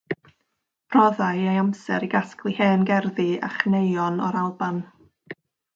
Rhoddai ei amser i gasglu hen gerddi a chneuon o'r Alban.